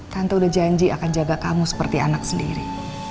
kanto udah janji akan jaga kamu seperti anak sendiri